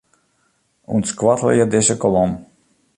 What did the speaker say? Untskoattelje dizze kolom.